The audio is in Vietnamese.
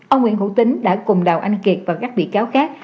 ông nguyễn hữu tính đã cùng đào anh kiệt và các bị cáo khác